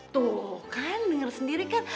tuh kalian denger sendiri kan